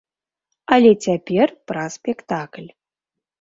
Але цяпер пра спектакль.